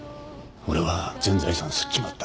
俺は全財産すっちまった。